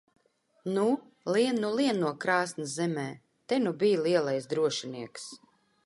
Nu, lien nu lien no krāsns zemē! Te nu bij lielais drošinieks!